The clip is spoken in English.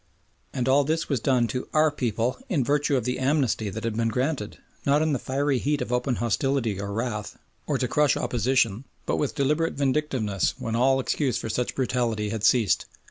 And all this was done to "Our people" in virtue of the "Amnesty" that had been granted, not in the fiery heat of open hostility or wrath, or to crush opposition, but with deliberate vindictiveness when all excuse for such brutality had ceased.